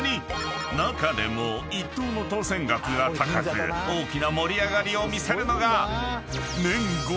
［中でも１等の当せん額が高く大きな盛り上がりを見せるのが］